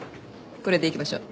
これでいきましょう。